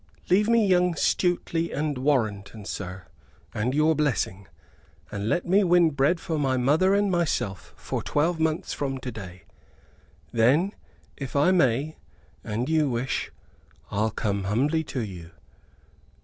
"Leave me young Stuteley and Warrenton, sir, and your blessing, and let me win bread for my mother and myself for twelve months from to day. Then, if I may, and you wish, I'll come humbly to you."